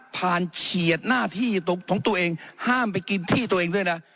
เฉียดหน้าที่ของตัวเองห้ามไปกินที่ตัวเองด้วยนะ